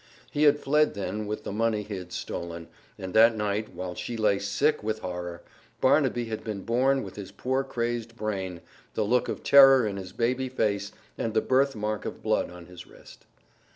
He had fled then with the money he had stolen, and that night, while she lay sick with horror, Barnaby had been born with his poor crazed brain, the look of terror in his baby face and the birth mark of blood on his wrist.